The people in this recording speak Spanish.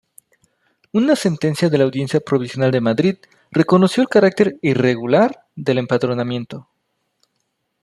Una sentencia de la audiencia provincial de Madrid reconoció el carácter irregular del empadronamiento.